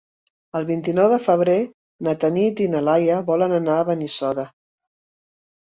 El vint-i-nou de febrer na Tanit i na Laia volen anar a Benissoda.